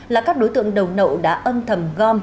là các đối tượng đầu nậu đã âm thầm gom